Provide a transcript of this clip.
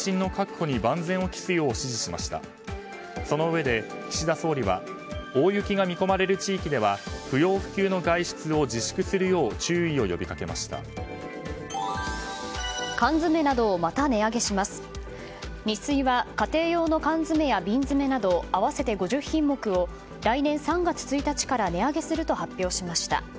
ニッスイは家庭用の缶詰や瓶詰など合わせて５０品目を来年３月１日から値上げすると発表しました。